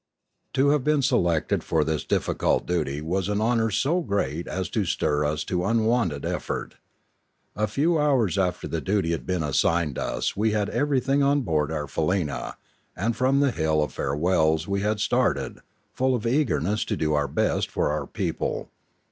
To have been selected for this difficult duty was honour so great as to stir us to unwonted effort. A few hours after the duty had been assigned us we bad everything on board our faleena, and from the hill of farewells we had started, full of eagerness to do our best for our people.